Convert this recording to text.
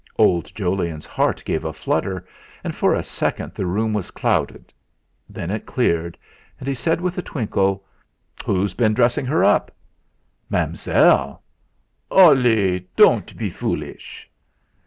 Old Jolyon's heart gave a flutter, and for a second the room was clouded; then it cleared, and he said with a twinkle: "Who's been dressing her up?" "Mam'zelle." "Hollee! Don't be foolish!"